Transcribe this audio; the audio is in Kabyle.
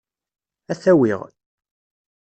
Ad-t-awiɣ.